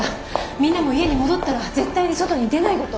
みんなも家に戻ったら絶対に外に出ないこと。